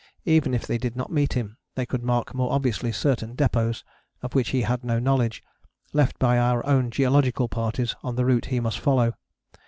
Even if they did not meet him they could mark more obviously certain depôts, of which he had no knowledge, left by our own geological parties on the route he must follow.